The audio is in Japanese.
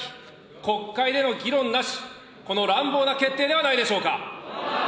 国会での議論なし、この乱暴な決定ではないでしょうか。